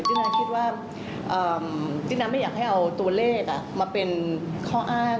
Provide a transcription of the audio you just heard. ตินาคิดว่าตินาไม่อยากให้เอาตัวเลขอ่าว